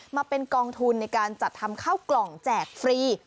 มาเป็นกองทุนในการจัดทำข้าวกล่องแจกฟรี